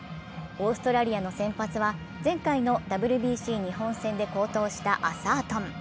オーストラリアの先発は前回のＷＢＣ日本戦で好投したアサートン。